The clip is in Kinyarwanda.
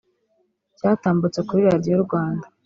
cyatambutse kuri Radio Rwanda